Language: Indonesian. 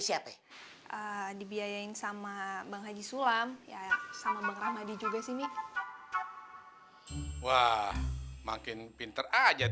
siapa dibiayain sama bang haji sulam ya sama bang ramadi juga sih wah makin pinter aja